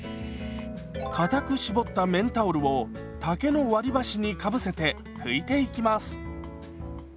かたく絞った綿タオルを竹の割り箸にかぶせて拭いていきます。